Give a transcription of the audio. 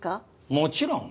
もちろん。